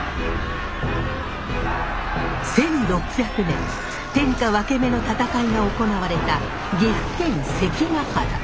１６００年天下ワケメの戦いが行われた岐阜県関ケ原。